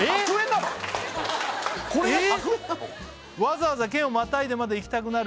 「わざわざ県をまたいでまで行きたくなる」